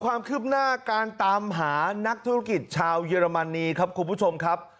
ความคืบหน้าการตามหานักธุรกิจชาวเยอรมนีครับคุณผู้ชมครับ